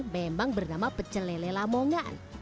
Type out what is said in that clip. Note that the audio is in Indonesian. memang bernama pecelele lamongan